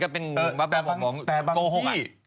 แต่บางที่